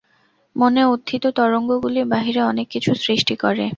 মনে উত্থিত তরঙ্গগুলি বাহিরে অনেক কিছু সৃষ্টি করে।